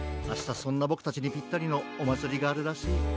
あしたそんなボクたちにぴったりのおまつりがあるらしい。